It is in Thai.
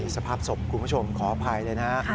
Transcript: สภาพสมคุณผู้ชมขออภัยนะ